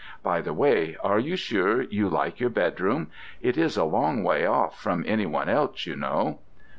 By the way, are you sure you like your bedroom? It is a long way off from any one else, you know."